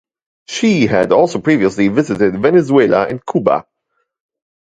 She had also previously visited Venezuela and Cuba.